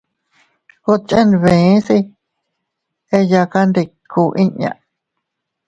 Ikut chenbese eyakandiku inña.